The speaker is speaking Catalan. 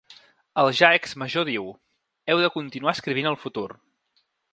El ja ex-major diu: Heu de continuar escrivint el futur.